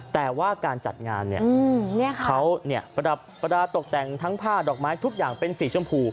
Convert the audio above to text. แต่ว่าการจัดงานเขาประดับประดาษตกแต่งทั้งผ้าดอกไม้ทุกอย่างเป็นสีชมพู